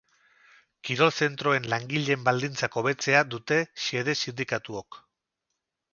Kirol zentroen langileen baldintzak hobetzea dute xede sindikatuok.